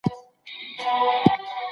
اسلام د پوهې او رڼا ابدي سرچینه ده.